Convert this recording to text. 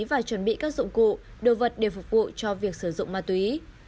và chuẩn bị các dụng cụ đồ vật để phục vụ cho việc sử dụng ma túy